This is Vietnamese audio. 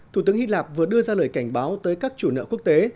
thủ tướng hy lạp vừa đưa ra lời cảnh báo tới các chủ nợ quốc tế